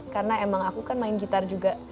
karena emang aku kan main gitar juga